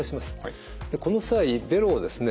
この際ベロをですね